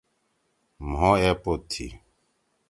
مھو ایپوت تھی۔